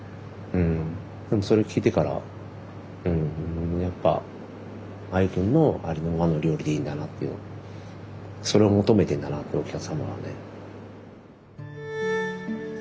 でもそれを聞いてからやっぱ愛群のありのままの料理でいいんだなっていうのをそれを求めてんだなってお客様はね。